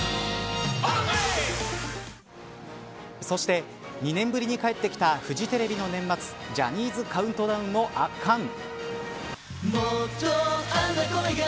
そして、２年ぶりに帰ってきたフジテレビの年末ジャニーズカウントダウンも圧巻。